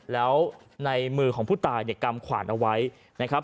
แล้วในมือของผู้ตายเนี่ยกำขวานเอาไว้นะครับ